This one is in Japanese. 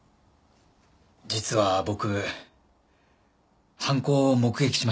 実は僕犯行を目撃しましたよ。